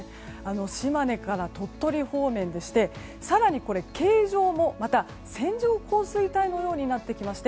島根から鳥取方面でして、更に形状も線状降水帯のようになってきまして